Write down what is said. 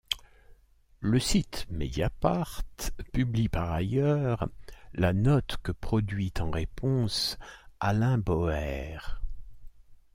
Le site Mediapart publie par ailleurs la note que produit en réponse Alain Bauer.